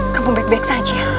kamu baik baik saja